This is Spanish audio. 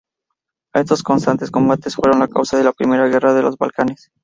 Estos constantes combates fueron la causa de la Primera Guerra de los Balcanes.